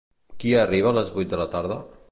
Qui arriba a les vuit de la tarda?